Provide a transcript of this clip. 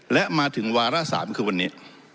และมาถึงวาระ๓คือวันนี้